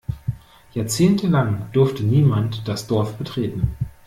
Jahrzehntelang durfte niemand das Dorf betreten.